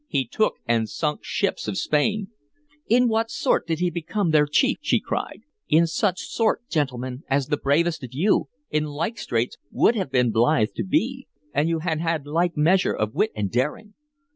He took and sunk ships of Spain." "In what sort did he become their chief?" she cried. "In such sort, gentlemen, as the bravest of you, in like straits, would have been blithe to be, an you had had like measure of wit and daring!